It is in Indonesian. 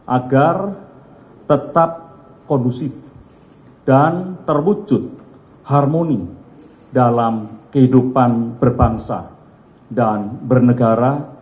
agar tetap kondusif dan terwujud harmoni dalam kehidupan berbangsa dan bernegara